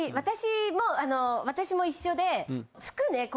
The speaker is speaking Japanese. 私も一緒で服ね